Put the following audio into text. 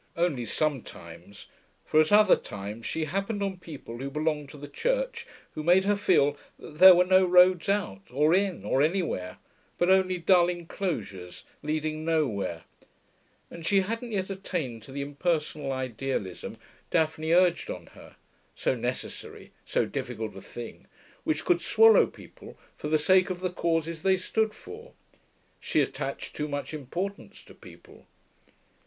Only sometimes; for at other times she happened on people who belonged to the Church who made her feel that there were no roads out, or in, or anywhere, but only dull enclosures, leading nowhere; and she hadn't yet attained to the impersonal idealism Daphne urged on her (so necessary, so difficult a thing) which could swallow people for the sake of the causes they stood for. She attached too much importance to people.